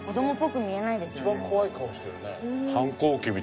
一番怖い顔してるね。